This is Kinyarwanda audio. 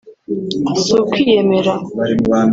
“Si ukwiyemera